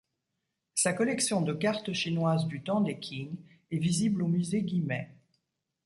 Sa collection de cartes chinoises du temps des Qing est visible au Musée Guimet.